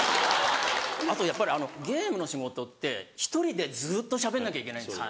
あとやっぱりあのゲームの仕事って１人でずっとしゃべんなきゃいけないんです。